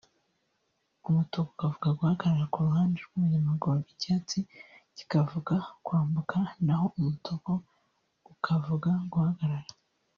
umutuku ukavuga guhagarara; ku ruhande rw’umunyamaguru icyatsi kivuga kwambuka na ho umutuku ukavuga guhagarara